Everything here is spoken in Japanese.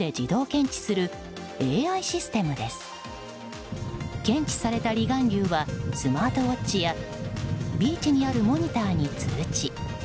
検知された離岸流はスマートウォッチやビーチにあるモニターに通知。